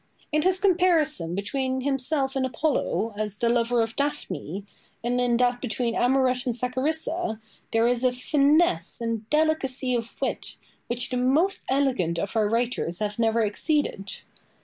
In his comparison between himself and Apollo, as the lover of Daphne, and in that between Amoret and Sacharissa, there is a finesse and delicacy of wit which the most elegant of our writers have never exceeded.